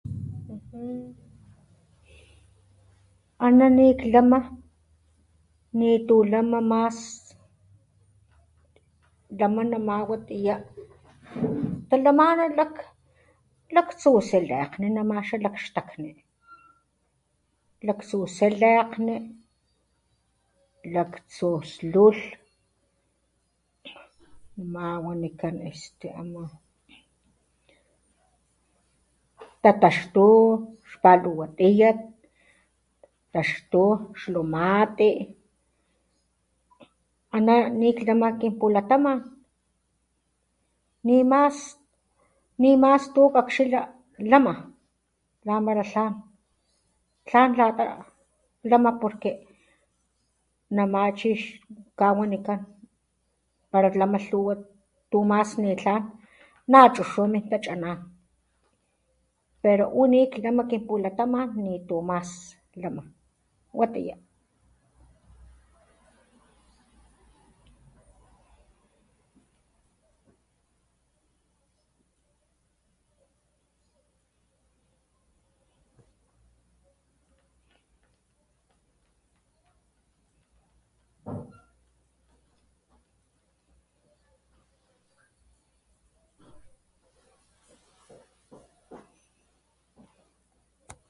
Ana niktlama nitu lama mas lama nama watiya talamana lak laktsu tsilekgni nama xa la xtakni laktsu silekgni laktsu slujlh nama wanikan este tatakxtu xpaluwa tiyat taxtu xlumati ana niklama kin pulatamat ni mas tu kakxila lama la malatlan tlan lata lama porque nama chi xkawanikan para lama lhuwa tu mas nitlan na chuxu min tachanan pero u nikklama kin pulataman nitu mas lama. Watiya.